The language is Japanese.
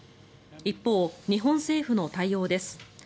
一方、日本政府の対応です。